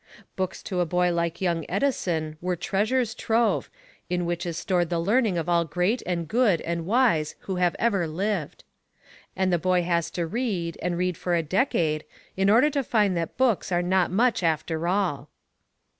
Books to a boy like young Edison are treasures trove, in which is stored the learning of all great and good and wise who have ever lived. And the boy has to read, and read for a decade, in order to find that books are not much after all.